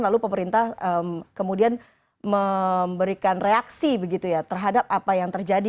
lalu pemerintah kemudian memberikan reaksi terhadap apa yang terjadi